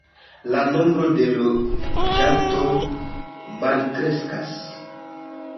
La nombro de loĝantoj malkreskas.